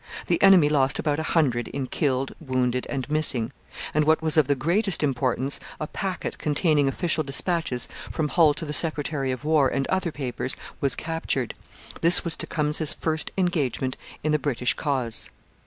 The enemy lost about a hundred in killed, wounded, and missing; and, what was of the greatest importance, a packet, containing official dispatches from Hull to the secretary of War and other papers, was captured. This was Tecumseh's first engagement in the British cause.